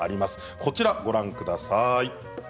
こちらをご覧ください